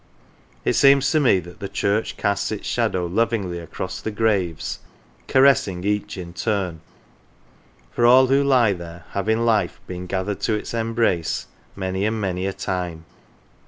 It seems to me that the church casts its shadow lovingly across the graves, caressing each in T L turn, for all who lie there have in life been gathered to its embrace many and many a time.